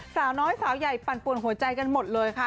สาวน้อยสาวใหญ่ปั่นป่วนหัวใจกันหมดเลยค่ะ